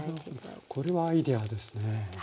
なるほどこれはアイデアですね！